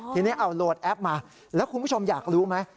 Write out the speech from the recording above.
ทีนี้เอาโหลดแอปมาแล้วคุณผู้ชมอยากรู้ไหม